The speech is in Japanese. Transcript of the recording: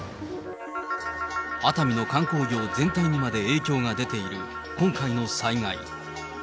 熱海の観光業全体にまで影響が出ている今回の災害。